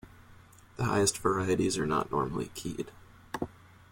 The highest varieties are not normally keyed.